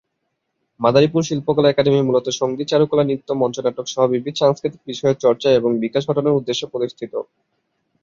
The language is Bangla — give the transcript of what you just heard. মাদারীপুর শিল্পকলা একাডেমি মূলত সঙ্গীত, চারুকলা, নৃত্য, মঞ্চনাটক সহ বিবিধ সাংস্কৃতিক বিষয়ের চর্চা এবং বিকাশ ঘটানোর উদ্দেশ্যে প্রতিষ্ঠিত।